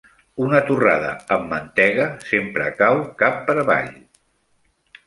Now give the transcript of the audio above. Una torrada amb mantega sempre cau cap per avall.